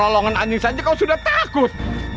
rolongan anjing saja kau sudah takut